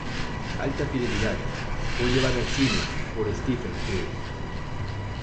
Alta fidelidad fue llevada al cine por Stephen Frears.